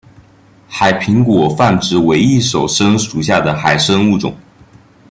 海苹果泛指伪翼手参属下的海参物种。